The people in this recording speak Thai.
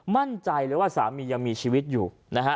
มั่นใจเลยว่าสามียังมีชีวิตอยู่นะฮะ